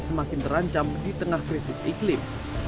semakin terancam di tengah krisis iklim